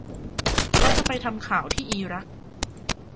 เขาจะไปทำข่าวที่อิรัก